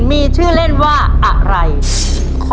เมื่อแม่นางได้ออเดอร์เยอะ